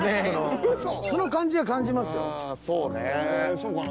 そうかな？